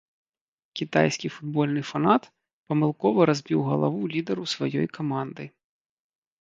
Кітайскі футбольны фанат памылкова разбіў галаву лідару сваёй каманды.